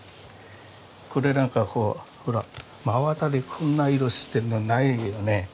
これなんかほら真綿でこんな色してるのないよね。